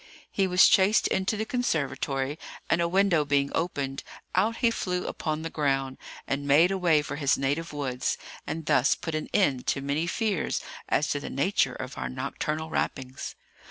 He was chased into the conservatory, and a window being opened, out he flew upon the ground, and made away for his native woods, and thus put an end to many fears as to the nature of our nocturnal rappings.